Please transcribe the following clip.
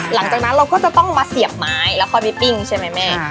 หลังจากนั้นเราก็จะต้องมาเสียบไม้แล้วค่อยไปปิ้งใช่ไหมแม่